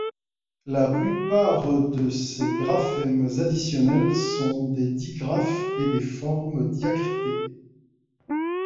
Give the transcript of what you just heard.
La plupart de ces graphèmes additionnels sont des digraphes et des formes diacritées.